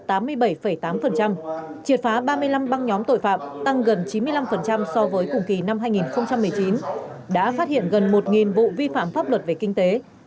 triệt phá ba mươi năm băng nhóm tội phạm tăng gần chín mươi năm so với cùng kỳ năm hai nghìn một mươi chín đã phát hiện gần một vụ vi phạm pháp luật về kinh tế